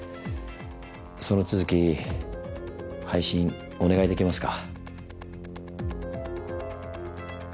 その続き配信お願いできますか？